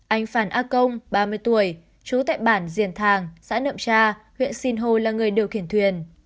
anh phản a công ba mươi tuổi chú tại bản diền thàng xã nậm cha huyện xìn hồ là người điều khiển thuyền